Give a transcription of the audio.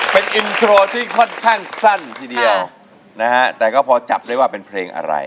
เป็นอินโทรที่ค่อนข้างสั้นทีเดียวนะฮะแต่ก็พอจับได้ว่าเป็นเพลงอะไร